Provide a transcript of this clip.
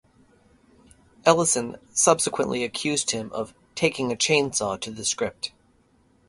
Ellison subsequently accused him of "taking a chainsaw" to the script.